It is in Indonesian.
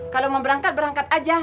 kalau mau berangkat berangkat aja